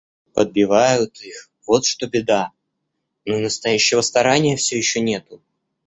Подбивают их, вот что беда; ну, и настоящего старания все еще нету.